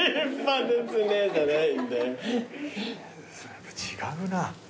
やっぱ違うな。